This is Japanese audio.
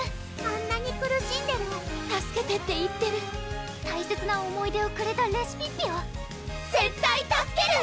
あんなに苦しんでる助けてって言ってる大切な思い出をくれたレシピッピを絶対助ける！